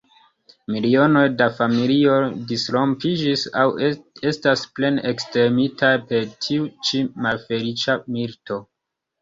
Milionoj da familioj disrompiĝis aŭ estas plene ekstermitaj per tiu ĉi malfeliĉa milito.